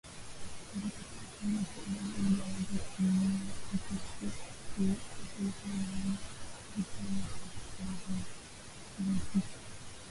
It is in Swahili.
Alitaka afanye uchunguzi ili aweze kumuua mtu sahihi maana hufanya kazi kwa uhakika